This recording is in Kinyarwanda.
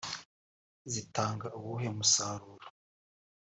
zitanga uwuhe musaruro